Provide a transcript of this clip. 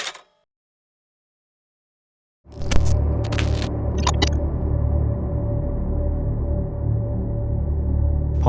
โปรดติดตามตอนต่อไป